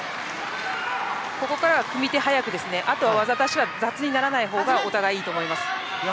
ここからは組み手、速くあとは技出しが雑にならない方がお互いにいいと思います。